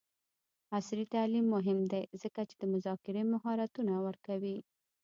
عصري تعلیم مهم دی ځکه چې د مذاکرې مهارتونه ورکوي.